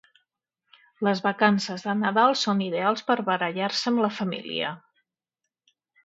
Les vacances de Nadal són ideals per barallar-se amb la famíla